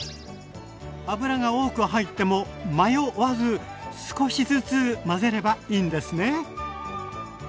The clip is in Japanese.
油が多く入ってもマヨわず少しずつ混ぜればいいんですね！